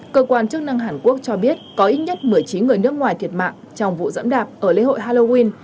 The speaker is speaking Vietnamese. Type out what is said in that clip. cơ quan chức năng hàn quốc cho biết có ít nhất một mươi chín người nước ngoài thiệt mạng trong vụ dẫm đạp ở lễ hội halloween